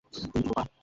তুমি কি বোবা?